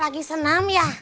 lagi senam ya